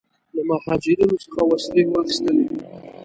له مهاجرینو څخه وسلې واخیستلې.